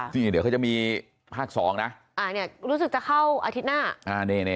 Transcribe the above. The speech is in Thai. นี่เดี๋ยวเขาจะมีภาค๒นะรู้สึกจะเข้าอาทิตย์หน้า